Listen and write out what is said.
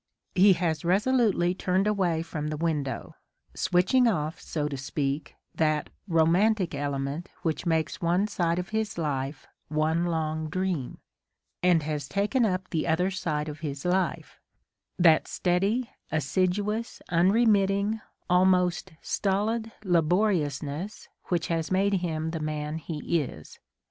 He has resolutely turned away from the window, — switching off, so to speak, that "romantic element which makes one side of his life one long dream," — and has taken up the other side of his life, — that steady, assiduous, unremitting, almost stolid laboriousness which has made him the man he is.